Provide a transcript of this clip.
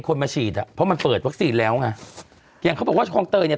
มาฉีดอ่ะเพราะมันเปิดวัคซีนแล้วไงอย่างเขาบอกว่าคลองเตยเนี้ย